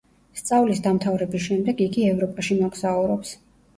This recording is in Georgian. სწავლის დამთავრების შემდეგ იგი ევროპაში მოგზაურობს.